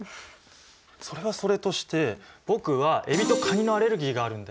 それはそれとして僕はエビとカニのアレルギーがあるんだよ。